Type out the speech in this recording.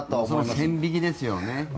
そこの線引きですよね。